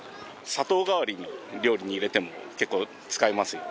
砂糖代わりに料理に入れても結構使えますよ。